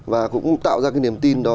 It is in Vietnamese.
và cũng tạo ra cái niềm tin đó